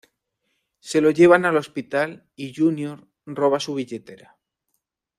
Se lo llevan al hospital y Junior roba su billetera.